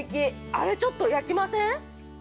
◆あれちょっと焼きません？